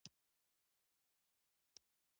ډيپلومات د اقتصادي اړیکو پیاوړتیا ته کار کوي.